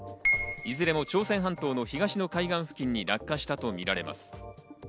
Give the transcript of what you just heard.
いずれも朝鮮半島の東の海岸付近に落下したとみられます。